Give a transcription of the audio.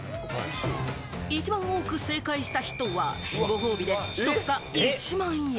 一番多く正解した人は、ご褒美で１房１万円。